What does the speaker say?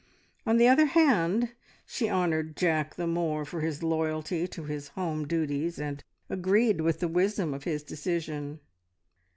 On the other hand, she honoured Jack the more for his loyalty to his home duties, and agreed with the wisdom of his decision.